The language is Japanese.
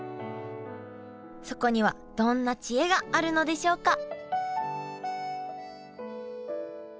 そこにはどんな知恵があるのでしょうか？